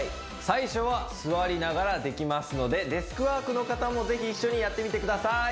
最初は座りながらできますのでデスクワークの方もぜひ一緒にやってみてください